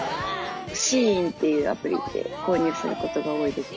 ＳＨＥＩＮっていうアプリで購入することが多いです。